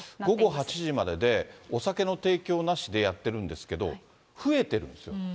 午後８時までで、お酒の提供なしでやってるんですけど、増えているんですよ。